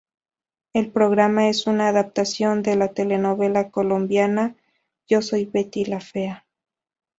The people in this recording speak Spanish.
El programa es una adaptación de la telenovela colombiana "Yo soy Betty La Fea".